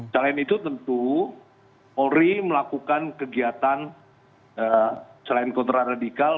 selain itu tentu polri melakukan kegiatan selain kontra radikal